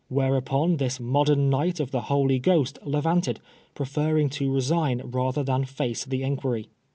Whereupon this modern Enight of the Holy Ghost levanted, preferring to resign rather than face the inquiry.